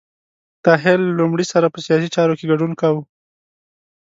طاهر له لومړي سره په سیاسي چارو کې ګډون کاوه.